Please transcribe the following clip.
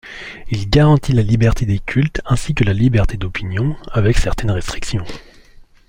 Il garantit la liberté des cultes ainsi que la liberté d'opinion, avec certaines restrictions.